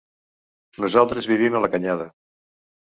Nosaltres vivim a la Canyada.